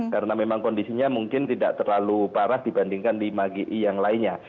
karena memang kondisinya mungkin tidak terlalu parah dibandingkan lima gi yang lainnya